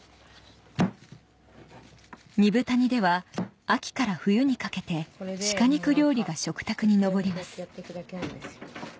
二風谷では秋から冬にかけてシカ肉料理が食卓に上ります